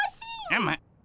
うむ。